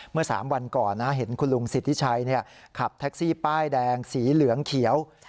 เมื่อ๓วันก่อนเห็นคุณลุงสิทธิชัยขับแท็กซี่ป้ายแดงสีเหลืองเขียว